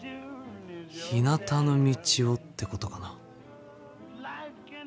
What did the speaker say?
「ひなたの道を」ってことかな。